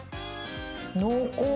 濃厚！